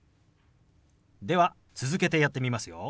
では続けてやってみますよ。